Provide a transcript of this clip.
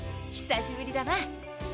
久しぶりだな！